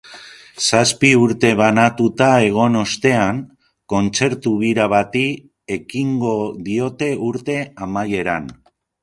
Zazpi urte banatuta egon ostean, kontzertu-bira bati ekingo diote urte amaieran.